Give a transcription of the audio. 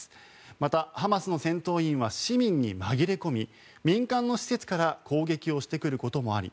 また、ハマスの戦闘員は市民に紛れ込み民間の施設から攻撃をしてくることもあり